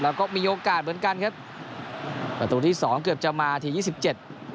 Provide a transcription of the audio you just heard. แล้วก็มีโอกาสเหมือนกันครับประตูที่สองเกือบจะมาทียี่สิบเจ็ด